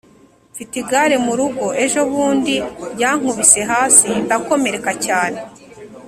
Mfite igare murugo ejo bundi ryankubise hasi ndakomereka cyane